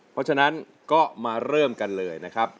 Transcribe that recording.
เพราะฉะนั้นก็มาเริ่มกันเลยนะครับ